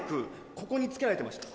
ここにつけられてました